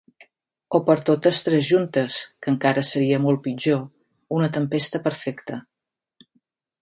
O per totes tres juntes, que encara seria molt pitjor: una tempesta perfecta.